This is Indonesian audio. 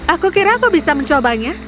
aku kira kau bisa mencobanya